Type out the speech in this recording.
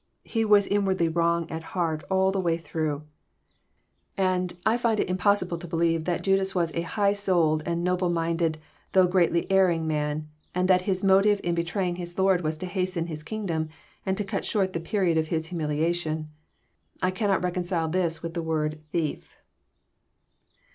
He was inwardly wrong at heart all the way through. Again, I find it impossible to believe that Judas was JOHN, CHAP. xn. 317 a high'Sonled and noble minded, though greatly erring man, and that his motive in betraying his Lord was to hasten His kingdom, and to cnt short the period of his humiliation. J cannot reconcile this with the word thief."